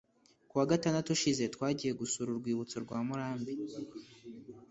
(…) kuwa gatandatu ushize twagiye gusura urwibutso rwa Murambi